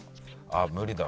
あっ無理だ。